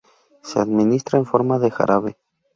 Se administra en forma de jarabe.